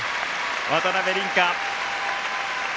渡辺倫果。